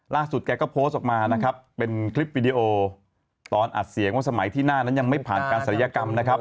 แกก็โพสต์ออกมานะครับเป็นคลิปวิดีโอตอนอัดเสียงว่าสมัยที่หน้านั้นยังไม่ผ่านการศัลยกรรมนะครับ